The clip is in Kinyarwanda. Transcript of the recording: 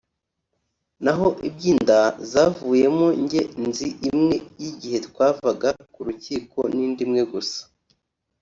naho iby’inda zavuyemo njye nzi imwe y’igihe twavaga ku rukiko n’indi imwe gusa